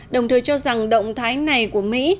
đồng thời cho rằng động thái này của mỹ